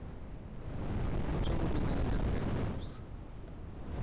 Чаму менавіта гэты курс?